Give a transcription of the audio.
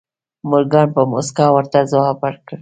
مورګان په موسکا ورته ځواب ورکړ